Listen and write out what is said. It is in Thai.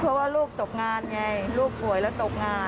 เพราะว่าลูกตกงานไงลูกป่วยแล้วตกงาน